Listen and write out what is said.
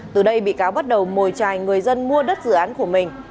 từ đây bị cáo bắt đầu mồi trài người dân mua đất dự án của mình